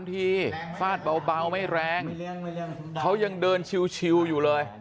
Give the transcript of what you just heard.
ถ้าบอกว่าปวดหัวปวดหัวค่ะ